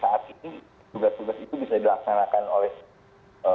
tugas tugas itu bisa dilaksanakan oleh